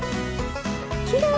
きれい！